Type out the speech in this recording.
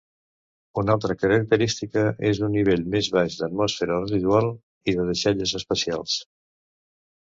Una altra característica és un nivell més baix d'atmosfera residual i de deixalles espacials.